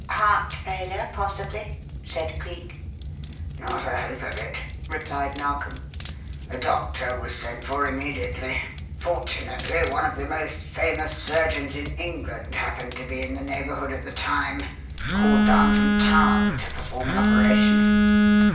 "Heart failure, possibly," said Cleek. "Not a hope of it," replied Narkom. "A doctor was sent for immediately; fortunately one of the most famous surgeons in England happened to be in the neighbourhood at the time called down from town to perform an operation.